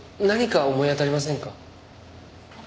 何か思い当たりませんか？